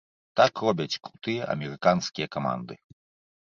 Так робяць крутыя амерыканскія каманды.